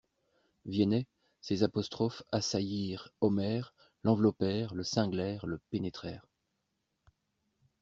Viennet, ces apostrophes assaillirent Omer, l'enveloppèrent, le cinglèrent, le pénétrèrent.